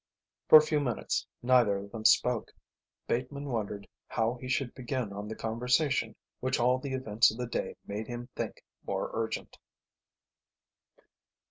For a few minutes neither of them spoke. Bateman wondered how he should begin on the conversation which all the events of the day made him think more urgent.